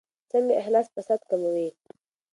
څنګه اخلاص فساد کموي؟